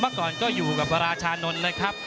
เมื่อก่อนก็อยู่กับราชานนท์นะครับ